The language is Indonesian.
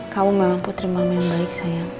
kamu memang putri mama yang baik sayang